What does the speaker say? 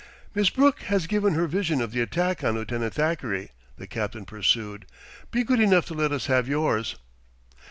"Miss Brooke has given her version of the attack on Lieutenant Thackeray," the captain pursued. "Be good enough to let us have yours."